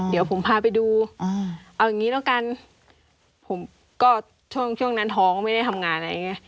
เดี๋ยวผมพาไปดูเอาอย่างนี้แล้วกันผมก็ช่วงช่วงนั้นท้องไม่ได้ทำงานอะไรอย่างนี้